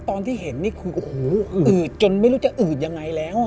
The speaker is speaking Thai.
ตอนที่เห็นอืดจนไม่รู้จะอืดยังไงแล้ว